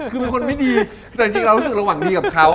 คือเป็นคนไม่ดีแต่จริงเรารู้สึกเราหวังดีกับเขา